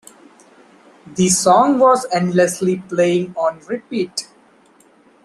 The song was endlessly playing on repeat.